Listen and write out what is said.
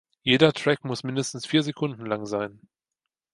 Jeder Track muss mindestens vier Sekunden lang sein.